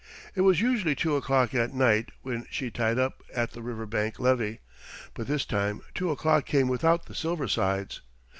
It was usually two o'clock at night when she tied up at the Riverbank levee, but this time two o'clock came without the Silver Sides.